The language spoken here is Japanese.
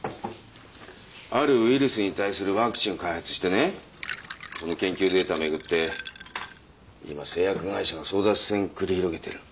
あるウイルスに対するワクチンを開発してねその研究データめぐって今製薬会社が争奪戦繰り広げてる。